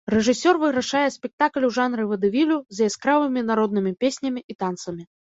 Рэжысёр вырашае спектакль у жанры вадэвілю з яскравымі народнымі песнямі і танцамі.